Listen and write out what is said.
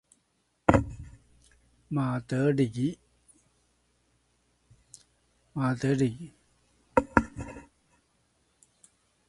馬德里